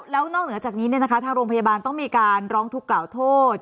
แล้วนอกเหนือจากนี้เนี่ยนะคะถ้าโรงพยาบาลต้องมีการร้องทุกข่าวโทษ